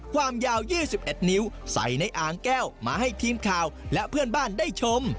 ความยาว๒๑นิ้วใส่ในอ่างแก้วมาให้ทีมข่าวและเพื่อนบ้านได้ชม